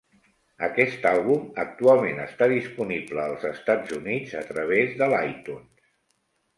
Aquest àlbum actualment està disponible als Estats Units a través de l'iTunes.